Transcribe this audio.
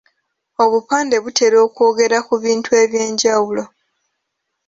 Obupande butera okwogera ku bintu eby’enjawulo.